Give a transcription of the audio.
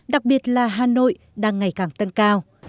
đặc biệt là hà nội đang ngày càng tăng cao